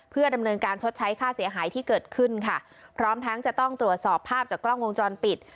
เพื่อดำเนินการชดใช้ค่าเสียหายที่เกิดขึ้นค่ะพร้อมทั้งจะต้องตรวจสอบภาพจากกล้องวงจรปิด